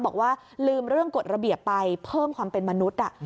บอกว่าลืมเรื่องกฎระเบียบไปเพิ่มความเป็นมนุษย์